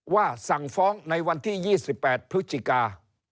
สั่งฟ้องในวันที่๒๘พฤศจิกา